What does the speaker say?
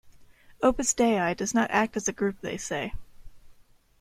Opus Dei does not act as a group, they say.